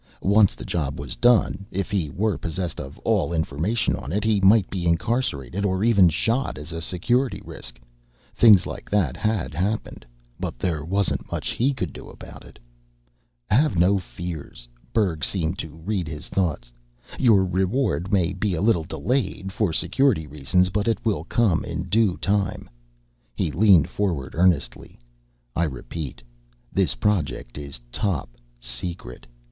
Once the job was done if he were possessed of all information on it he might be incarcerated or even shot as a Security risk. Things like that had happened. But there wasn't much he could do about it. "Have no fears." Berg seemed to read his thoughts. "Your reward may be a little delayed for Security reasons, but it will come in due time." He leaned forward, earnestly. "I repeat, this project is top secret.